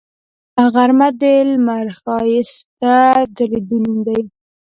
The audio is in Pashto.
غرمه د لمر ښایسته ځلیدو نوم دی